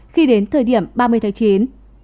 khi đến thời điểm ba mươi tháng chín